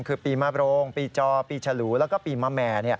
คือปีมะโรงปีจอปีฉลูแล้วก็ปีมะแม่